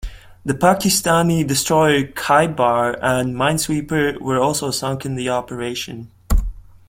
The Pakistani destroyer "Khaibar" and minesweeper were also sunk in the operation.